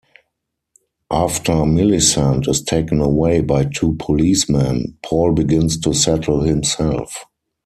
After Millicent is taken away by two policemen, Paul begins to settle himself.